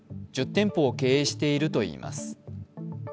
１０店舗を経営しているといいます。